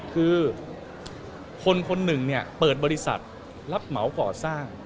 คือคนคนหนึ่งเนี่ยเปิดบริษัทรับเหมาก่อสร้าง